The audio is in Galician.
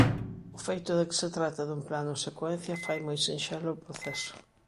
O feito de que se trate dun plano secuencia fai moi sinxelo o proceso.